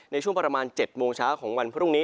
ในช่วงประมาณ๗โมงเช้าของวันพรุ่งนี้